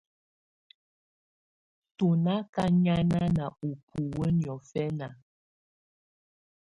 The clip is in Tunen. Tú nà ká nyànáná ú búwǝ́ niɔ́fɛna.